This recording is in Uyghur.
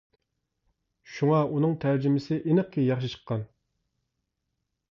شۇڭا ئۇنىڭ تەرجىمىسى ئېنىقكى ياخشى چىققان.